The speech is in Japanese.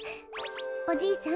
おじいさん